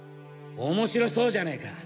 面白そうじゃねか。